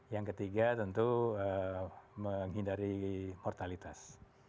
yang ketiga tentu menghindari mortalitas